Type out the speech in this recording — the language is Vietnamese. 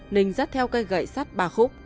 nình dắt theo cây gậy sắt ba khúc